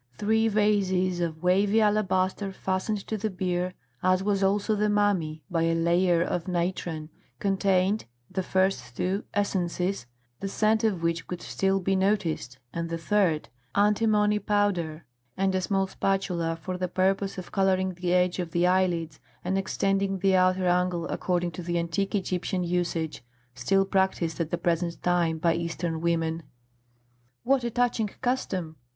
Three vases of wavy alabaster fastened to the bier, as was also the mummy, by a layer of natron, contained, the first two, essences, the scent of which could still be noticed, and the third, antimony powder and a small spatula for the purpose of colouring the edge of the eyelids and extending the outer angle according to the antique Egyptian usage, still practised at the present time by Eastern women. "What a touching custom!"